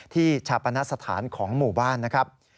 ชาปณสถานของหมู่บ้านนะครับ